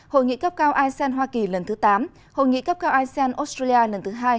hội nghị cấp cao asean hoa kỳ lần thứ tám hội nghị cấp cao asean australia lần thứ hai